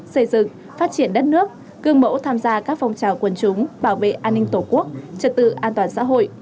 xây dựng phát triển đất nước cương mẫu tham gia các phong trào quân chúng bảo vệ an ninh tổ quốc trật tự an toàn xã hội